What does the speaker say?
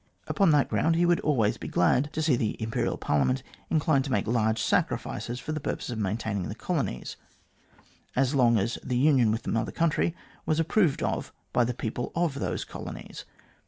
Upon that ground, he would always be glad to see the Imperial Parliament inclined to make large sacrifices for the purpose of maintaining the colonies as long as the union with the Mother Country was approved of by the people of those colonies.